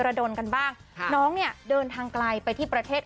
ระดนกันบ้างน้องเนี่ยเดินทางไกลไปที่ประเทศ